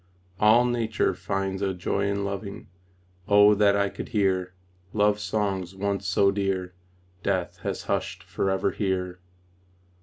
All nature finds a joy in loving Oh, that I could hear Love songs once so dear Death has hushed forever here!